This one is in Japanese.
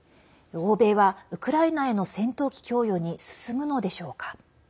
欧米は、ウクライナへの戦闘機供与に進むのでしょうか。